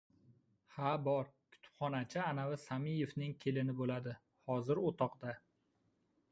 — Ha, bor. Kutubxonachi anavi Samiyevning kelini bo‘ladi. Hozir o‘toqda.